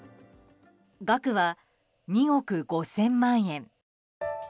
額は２億５０００万円。